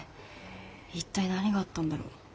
一体何があったんだろ？